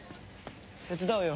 手伝うよ。